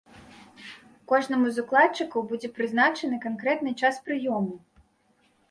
Кожнаму з укладчыкаў будзе прызначаны канкрэтны час прыёму.